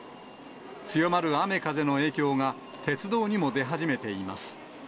強まる雨、風の影響が、鉄道にも出始めています。